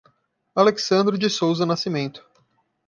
Alecsandro de Sousa Nascimento